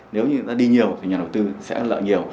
nếu người ta đi nhiều thì nhà đầu tư sẽ lợi nhiều